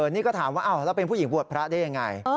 นี่ก็ถามว่าแล้วเป็นผู้หญิงบวชพระได้ยังไง